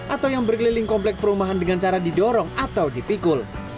atau yang berkeliling komplek perumahan dengan cara didorong atau dipikul